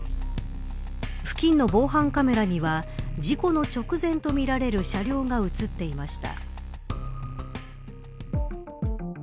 付近の防犯カメラには事故の直前とみられる車両が映っていました。